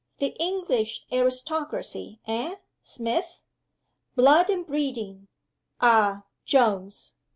"The English aristocracy eh, Smith?" "Blood and breeding ah, Jones!"